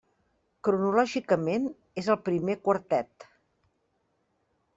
Cronològicament és el primer quartet.